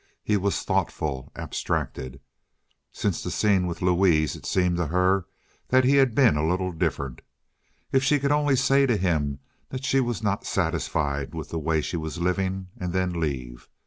He was thoughtful, abstracted. Since the scene with Louise it seemed to her that he had been a little different. If she could only say to him that she was not satisfied with the way she was living, and then leave.